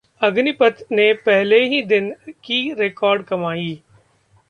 'अग्निपथ' ने पहले ही दिन की रिकॉर्ड कमाई